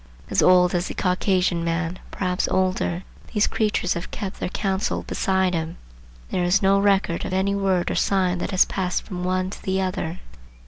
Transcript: As old as the Caucasian man,—perhaps older,—these creatures have kept their counsel beside him, and there is no record of any word or sign that has passed from one to the other.